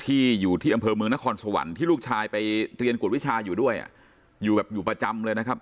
ที่อยู่ที่อำเภอเมืองนครสวรรค์ที่ลูกชายไปเรียนกวดวิชาอยู่ด้วยอยู่แบบอยู่ประจำเลยนะครับ